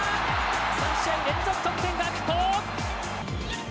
３試合連続得点、ガクポ！